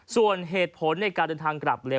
ส่วนเหตุผลในการเดินทางกลับเลย